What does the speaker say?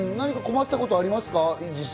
困ったことはありますか？